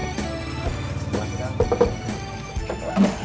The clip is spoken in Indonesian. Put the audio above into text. terima kasih kang